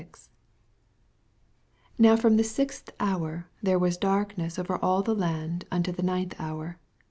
45 Now from the slxtli hour there was darkDess over all the land unto the ninth hour.